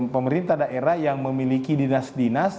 pemerintah daerah yang memiliki dinas dinas